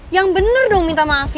yang bener dong minta maaf